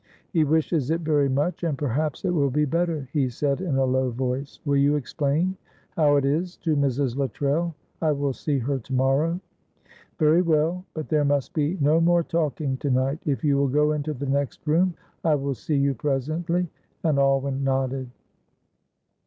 "He wishes it very much, and perhaps it will be better," he said in a low voice. "Will you explain how it is to Mrs. Luttrell? I will see her tomorrow." "Very well, but there must be no more talking to night. If you will go into the next room I will see you presently," and Alwyn nodded.